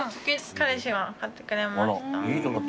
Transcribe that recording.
彼氏が買ってくれました。